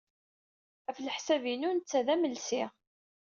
Ɣef leḥsab-inu, netta d amelsi.